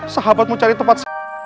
sahabat mau cari tempat